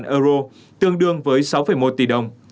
hai trăm ba mươi sáu euro tương đương với sáu một tỷ đồng